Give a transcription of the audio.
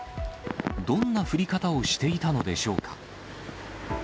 どんな降り方をしていたのでしょうか。